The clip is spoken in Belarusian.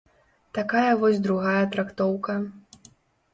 Такая вось другая трактоўка.